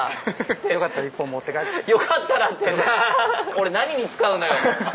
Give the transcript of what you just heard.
俺何に使うのよ！